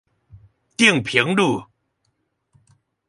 碇坪路